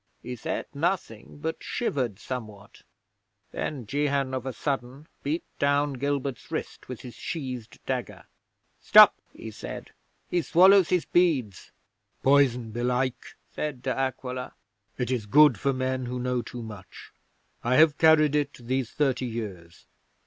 He said nothing, but shivered somewhat. 'Then jehan of a sudden beat down Gilbert's wrist with his sheathed dagger. "Stop!" he said. "He swallows his beads." '"Poison, belike," said De Aquila. "It is good for men who know too much. I have carried it these thirty years.